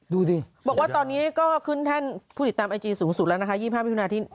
ดูสิบอกว่าตอนนี้ก็ขึ้นแท่นผู้ติดตามไอจีสูงสุดแล้วนะคะ๒๕วิถุนาที่